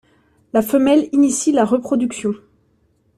La femelle initie la reproduction.